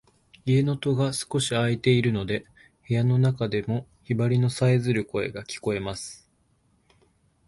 家の戸が少し開いているので、部屋の中でもヒバリのさえずる声が聞こえます。